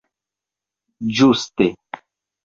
Ĝuste.